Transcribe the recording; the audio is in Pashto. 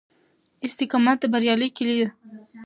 استقامت د بریا کیلي ده.